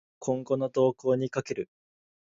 今後の動向に賭ける